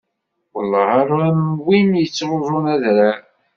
Welleh ar am win yettruẓen adrar!